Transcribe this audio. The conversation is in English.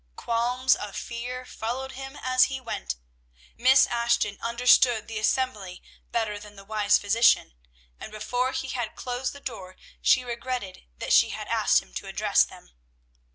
Qualms of fear followed him as he went. Miss Ashton understood the assembly better than the wise physician, and before he had closed the door she regretted that she had asked him to address them.